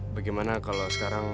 bagaimana kalau sekarang